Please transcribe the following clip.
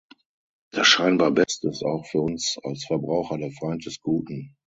Das scheinbar Beste ist auch für uns als Verbraucher der Feind des Guten.